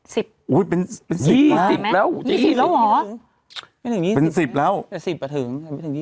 สิบอุ้ยเป็นสิบแล้วสิบแล้วเหรอไม่ถึงสิบแล้วแต่สิบก็ถึงไม่ถึงสิบ